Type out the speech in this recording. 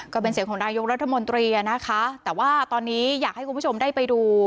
ก็เป็นเสียงของนายกรัฐมนตรีอ่ะนะคะแต่ว่าตอนนี้อยากให้คุณผู้ชมได้ไปดู